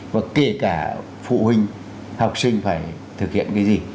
và kể cả phụ huynh học sinh phải thực hiện cái gì